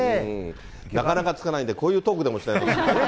なかなか着かないんで、こういうトークでもしてないとね。